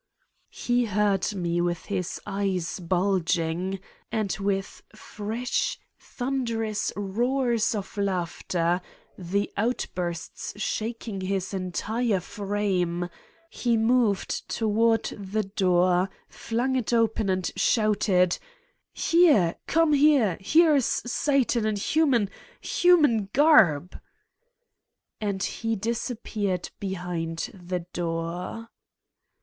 ' He heard me with his eyes bulging, and with fresh thunderous roars of laughter, the outbursts 253 Satan's Diary shaking his entire frame, he moved toward the door, flung it open and shouted :' i Here ! Come here ! Here is Satan ! In human .... human garb!" And he disappeared behind the door.